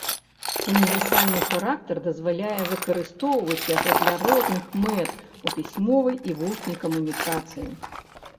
Універсальны характар дазваляе выкарыстоўваць яго для розных мэт у пісьмовай і вуснай камунікацыі.